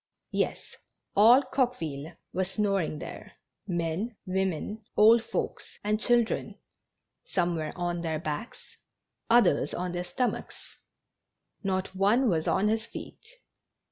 Yes, all Coqueville was snoring there — men, women, old folks and children. Some were on their backs, others on their stomachs; not one was on his feet.